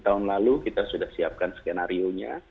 tahun lalu kita sudah siapkan skenario nya